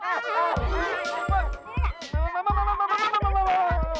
wah cuma segini